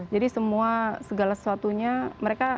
jadi semua segala sesuatunya mereka menerima